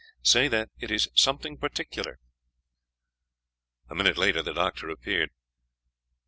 Say that it is something particular." A minute later the doctor appeared.